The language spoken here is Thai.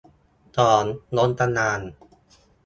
สอง ล้มกระดาน